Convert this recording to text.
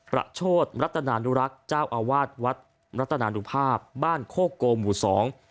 โชธรัตนานุรักษ์เจ้าอาวาสวัดรัตนานุภาพบ้านโคโกหมู่สอง